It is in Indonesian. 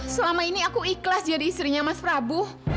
selama ini aku ikhlas jadi istrinya mas prabu